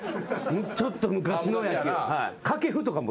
ちょっと昔の野球。